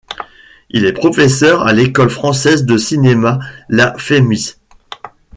Il est professeur à l'école française de cinéma La Fémis.